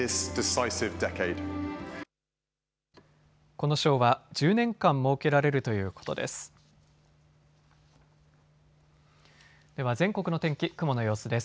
この賞は１０年間設けられるということです。